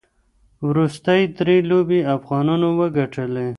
وروستۍ درې لوبې افغانانو وګټلې.